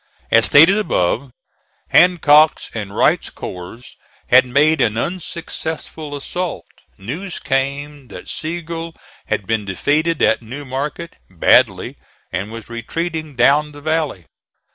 As stated above, Hancock's and Wright's corps had made an unsuccessful assault. News came that Sigel had been defeated at New Market, badly, and was retreating down the valley.